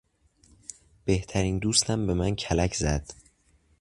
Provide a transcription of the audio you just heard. بهترین دوستم به من کلک زد.